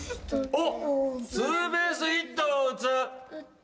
おっ、ツーベースヒットを打つ。